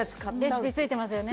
レシピついてますよね